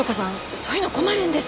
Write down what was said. そういうの困るんです。